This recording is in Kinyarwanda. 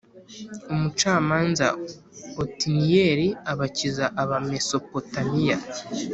Umucamanza Otiniyeli abakiza Abamesopotamiya